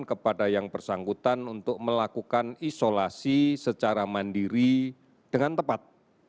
kepada yang bersangkutan untuk melakukan isolasi secara mandiri dengan tepat